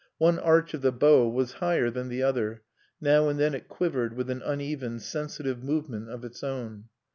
One arch of the bow was higher than the other; now and then it quivered with an uneven, sensitive movement of its own.